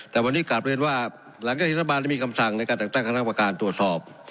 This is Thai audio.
แต่วันนี้กลับเรียนว่าหลังเยี่ยงธิสบาลมีคำสั่งในการตั้งตั้งคำถามการตรวจสอบ